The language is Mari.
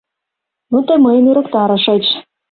Ну тый мыйым ӧрыктарышыч.